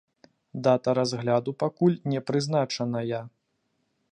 Дата разгляду пакуль не прызначаная.